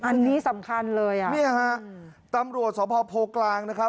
อันนี้สำคัญเลยอ่ะเนี่ยฮะตำรวจสพโพกลางนะครับ